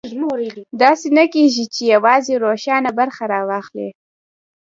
داسې نه کېږي چې یوازې روښانه برخه راواخلي.